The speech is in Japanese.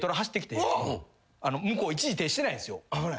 向こう一時停止してないんすよ。